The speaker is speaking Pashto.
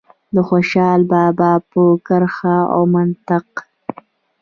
د خوشال بابا په کرښه او منطق.